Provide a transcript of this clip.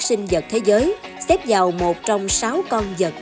sinh vật thế giới xếp vào một trong sáu con vật